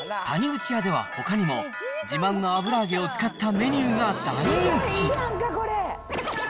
谷口屋ではほかにも、自慢の油揚げを使ったメニューが大人気。